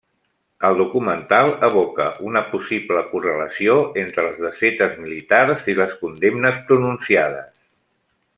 El documental evoca una possible correlació entre les desfetes militars i les condemnes pronunciades.